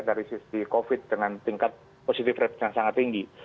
dari sisi covid dengan tingkat positive rate yang sangat tinggi